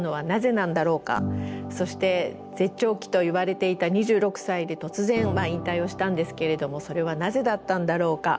そして絶頂期といわれていた２６歳で突然まあ引退をしたんですけれどもそれはなぜだったんだろうか？